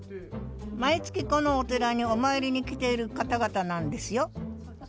毎月このお寺にお参りに来ている方々なんですよ